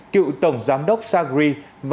cựu tổng giám đốc sagri